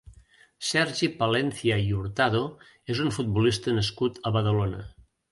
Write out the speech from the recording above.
Sergi Palencia i Hurtado és un futbolista nascut a Badalona.